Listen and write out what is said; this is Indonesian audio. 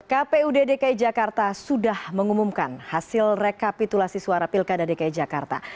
kpu dki jakarta sudah mengumumkan hasil rekapitulasi suara pilkada dki jakarta